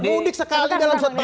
mudik sekali dalam suatu tahun